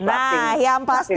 nah yang pasti